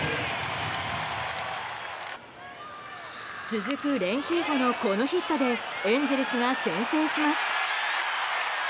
続くレンヒーフォのこのヒットでエンゼルスが先制。